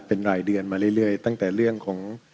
เป็นรายเดือนมาเรื่อยตั้งแต่เรื่องของ